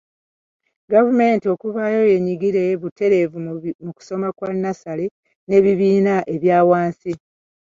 Gavumenti okuvaayo yeenyigire butereevu mu kusoma kwa nnassale n’ebibiina ebya wansi.